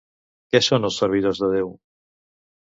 Què són els servidors de Déu?